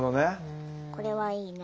これはいいね。